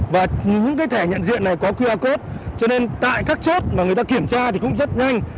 và những cái thẻ nhận diện này có qr code cho nên tại các chốt mà người ta kiểm tra thì cũng rất nhanh